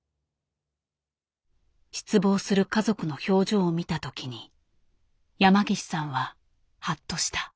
失望する家族の表情を見た時に山岸さんははっとした。